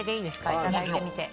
いただいてみて。